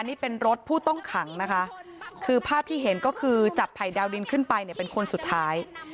นี่เป็นรถผู้ต้องขังนะคะคือภาพที่เห็นก็คือจับไผ่ดาวดินขึ้นไปเนี่ยเป็นคนสุดท้าย